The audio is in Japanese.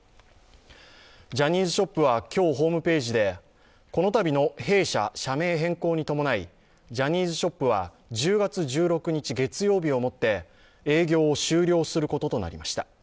ジャニーズショップは今日ホームページでこのたびの弊社社名変更に伴いジャニーズショップは１０月１６日月曜日をもって営業を終了することとなりました。